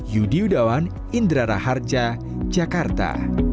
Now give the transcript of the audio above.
yudi yudawan indra raharja jakarta